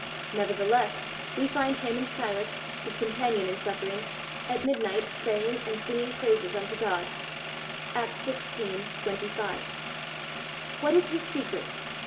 Nevertheless, we find him and Silas, his companion in suffering, at midnight praying and singing praises unto God (Acts xvi. 25). What is his secret?